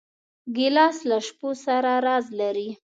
ګیلاس له شپو سره راز لري.